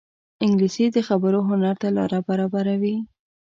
انګلیسي د خبرو هنر ته لاره برابروي